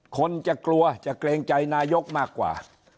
คนจะกลัวจะเกรงใจนายกมากกว่า